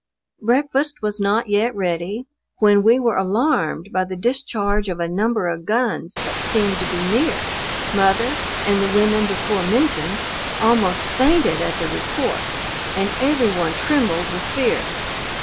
Breakfast was not yet ready, when we were alarmed by the discharge of a number of guns, that seemed to be near. Mother and the women before mentioned, almost fainted at the report, and every one trembled with fear.